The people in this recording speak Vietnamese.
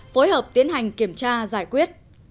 phối hợp tiến hành kiểm tra giải quyết